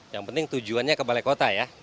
yang penting tujuannya ke balai kota ya